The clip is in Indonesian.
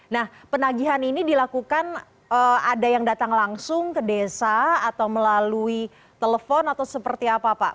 nah penagihan ini dilakukan ada yang datang langsung ke desa atau melalui telepon atau seperti apa pak